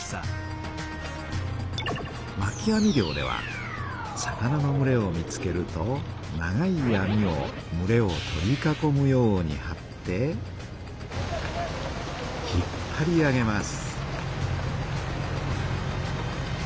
まき網漁では魚のむれを見つけると長い網をむれを取り囲むようにはって引っぱり上げます。